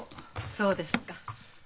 そうですか。